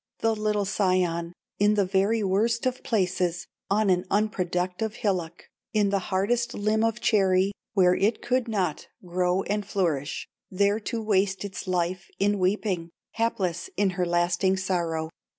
the little scion In the very worst of places, On an unproductive hillock, In the hardest limb of cherry, Where it could not grow and flourish, There to waste its life, in weeping, Hapless in her lasting sorrow.